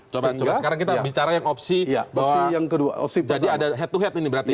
coba sekarang kita bicara yang opsi jadi ada head to head ini berarti ya